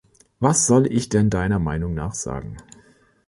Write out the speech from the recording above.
Was soll ich denn deiner Meinung nach sagen?